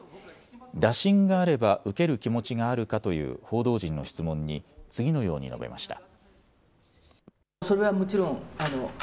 打診があれば受ける気持ちがあるかという報道陣の質問に次のように述べました。